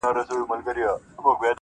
• ملا وویل تعویذ درته لیکمه -